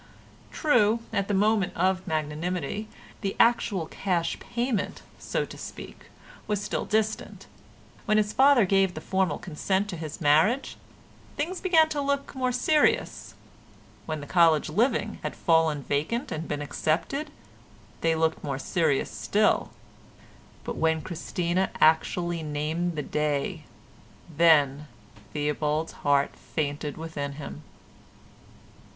True, at the moment of magnanimity the actual cash payment, so to speak, was still distant; when his father gave formal consent to his marriage things began to look more serious; when the college living had fallen vacant and been accepted they looked more serious still; but when Christina actually named the day, then Theobald's heart fainted within him.